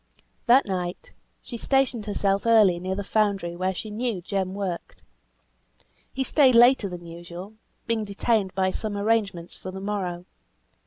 That night she stationed herself early near the foundry where she knew Jem worked; he stayed later than usual, being detained by some arrangements for the morrow.